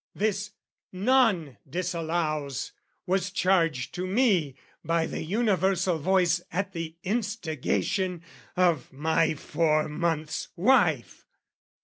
this, none disallows, Was charged to me by the universal voice At the instigation of my four months' wife!